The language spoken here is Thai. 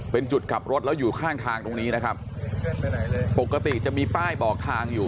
เป็นจุดขับรถแล้วอยู่ข้างทางตรงนี้นะครับปกติจะมีป้ายบอกทางอยู่